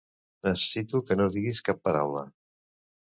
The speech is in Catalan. Necessito que no diguis cap paraula.